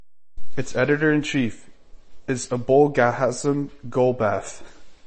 Its editor in chief is Abolghasem Golbaf.